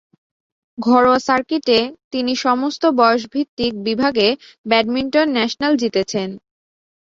ঘরোয়া সার্কিটে, তিনি সমস্ত বয়স ভিত্তিক বিভাগে ব্যাডমিন্টন ন্যাশনাল জিতেছেন।